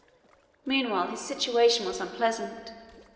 Meanwhile his situation was unpleasant.